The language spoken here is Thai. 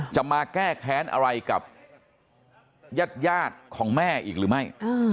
จะมาแก้แค้นอะไรกับญาติของแม่อีกหรือไม่